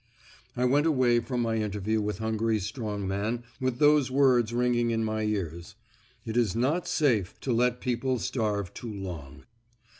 I went away from my interview with Hungary's strong man with those words ringing in my ears, "It is not safe to let people starve too long."